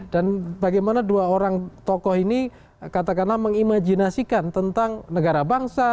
dan bagaimana dua orang tokoh ini katakanlah mengimajinasikan tentang negara bangsa